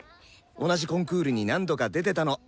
同じコンクールに何度か出てたの。